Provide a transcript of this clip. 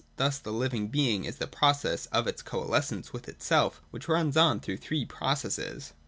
Thus the living being is the process of its coalescence with itself, which runs on through three processes.